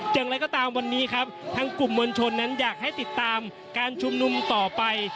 อย่างไรก็ตามวันนี้ครับทั้งกลุ่มมวลชนนั้นอยากให้ติดตามการชุมนุมต่อไป